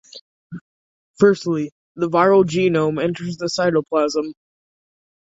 Firstly, the viral genome enters the cytoplasm.